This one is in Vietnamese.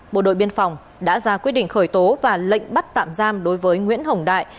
bộ đội biên phòng đã ra quyết định khởi tố và lệnh bắt tạm giam đối với nguyễn hồng đại